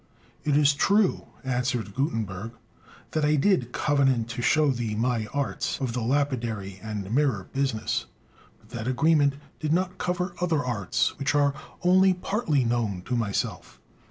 "It is true," answered Gutenberg, "that I did covenant to show thee my arts of the lapidary and mirror business, but that agreement did not cover other arts which are only partly known to myself."